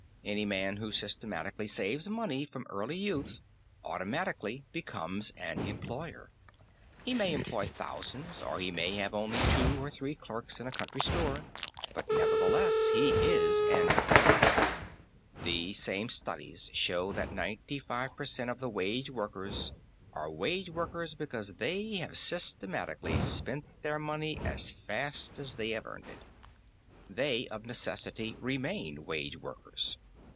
Any man who systematically saves money from early youth automatically becomes an employer. He may employ thousands or he may have only two or three clerks in a country store, but he nevertheless is an employer. These same studies show that ninety five per cent. of the wage workers are wage workers because they have systematically spent their money as fast as they have earned it. They of necessity remain wage workers.